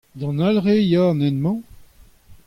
D'an Alre ez a an hent-mañ ?